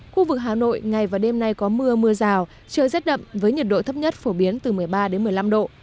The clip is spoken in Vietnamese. khu vực hà nội ngày và đêm nay có mưa mưa rào trời rét đậm với nhiệt độ thấp nhất phổ biến từ một mươi ba đến một mươi năm độ